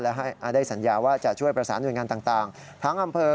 และได้สัญญาว่าจะช่วยประสานหน่วยงานต่างทั้งอำเภอ